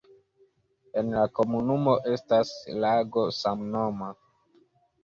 En la komunumo estas lago samnoma.